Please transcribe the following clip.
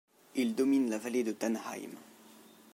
Il domine la vallée de Tannheim.